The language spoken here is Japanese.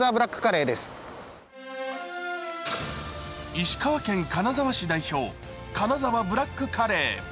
石川県金沢市代表、金沢ブラックカレー。